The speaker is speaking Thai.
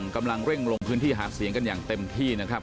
กำลังเร่งลงพื้นที่หาเสียงกันอย่างเต็มที่นะครับ